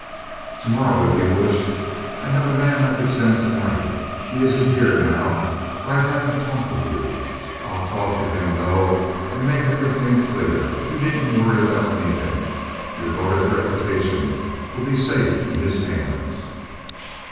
"To morrow, if you wish. I have a man I could send to night. He isn't here now or I'd have him talk with you. I'll talk to him, though, and make everything clear. You needn't worry about anything. Your daughter's reputation will be safe in his hands."